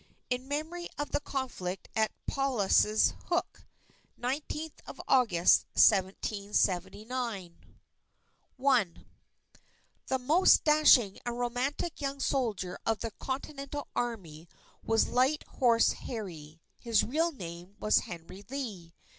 _" In memory of the conflict at Paulus's Hook, nineteenth of August, 1779 I The most dashing and romantic young soldier of the Continental Army, was Light Horse Harry. His real name was Henry Lee.